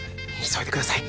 急いでください。